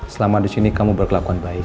selama disini kamu berkelakuan baik